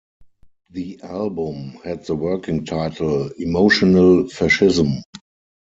The album had the working title "Emotional Fascism".